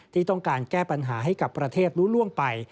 ที่ต้องการแก้ปัญหาให้กับประเทศรู้ล่วงไป